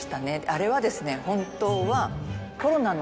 あれはですね本当は。